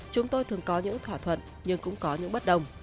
chúng tôi thường có những thỏa thuận nhưng cũng có những bất đồng